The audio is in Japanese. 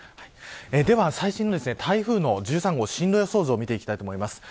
では、最新の台風の１３号の進路予想図を見ていきます。